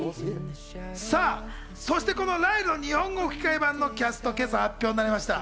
さあ、そしてこのライルの日本語吹き替え版のキャストが今朝発表になりました。